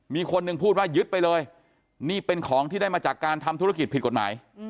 มีคนหนึ่งพูดว่ายึดไปเลยนี่เป็นของที่ได้มาจากการทำธุรกิจผิดกฎหมาย